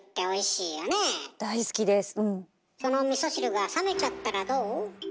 そのみそ汁が冷めちゃったらどう？